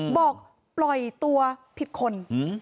บอกปล่อยตัวผิดคน